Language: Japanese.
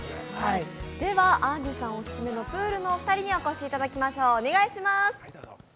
では、あんりさんオススメのプールのお二人にお越しいただきましょう。